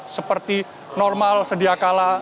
seperti normal sedia kala